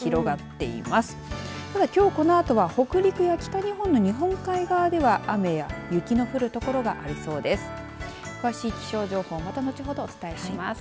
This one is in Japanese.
ただ、きょうこのあとは北陸や北日本の日本海側では雨や雪の降る所がありそうです。